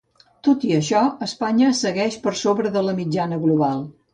Tot i això, Espanya segueix per sobre de la mitjana global.